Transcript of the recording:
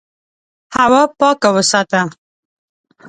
هوا پاکه وساته.